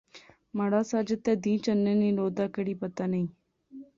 مہاڑا ساجد تہ دیئں چنے نی لو دا، کڑی پتہ نئیں؟